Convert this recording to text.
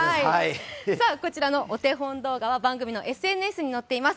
こちらのお手本動画は番組のＳＮＳに載っています。